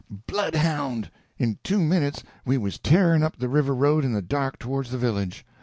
Bloodhound!" In two minutes we was tearing up the river road in the dark towards the village.